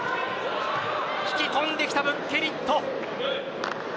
引き込んできたブッケリット。